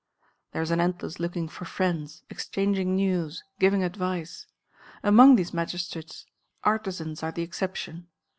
There is an endless looking for friends, exchanging news, giving advice. Among these Magistrates, artisans are the exception.